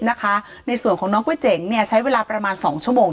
ในส่วนของน้องก๋วยเจ๋งเนี่ยใช้เวลาประมาณ๒ชั่วโมง